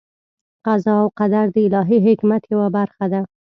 قضا او قدر د الهي حکمت یوه برخه ده.